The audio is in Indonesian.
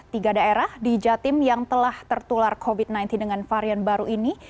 tiga daerah di jatim yang telah tertular covid sembilan belas dengan varian baru ini